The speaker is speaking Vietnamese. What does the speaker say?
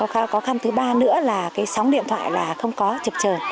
khó khăn thứ ba nữa là cái sóng điện thoại là không có chụp trời